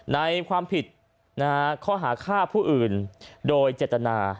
ในความผิดข้อหาฆ่าผู้อื่นโดยเจตนา